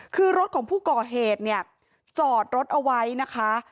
คือรถของผู้ก่อเหตุเนี่ยจอดรถเอาไว้นะคะ